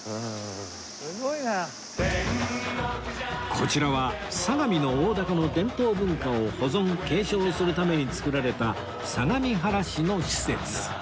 こちらは相模の大凧の伝統文化を保存継承するために作られた相模原市の施設